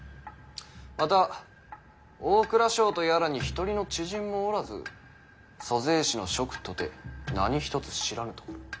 また大蔵省とやらに一人の知人もおらず租税司の職とて何一つ知らぬところ。